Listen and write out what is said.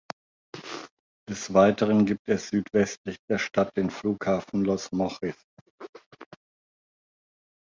Des Weiteren gibt es südwestlich der Stadt den Flughafen Los Mochis.